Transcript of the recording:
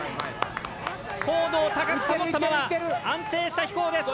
高度を高く保ったまま安定した飛行です！